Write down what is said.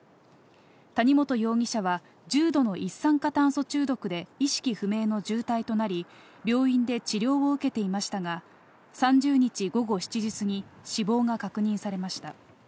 谷本容疑者は、重度の一酸化炭素中毒で意識不明の重体となり、病院で治療を受けていましたが、３０日午後７時過ぎ、死亡が確認されました。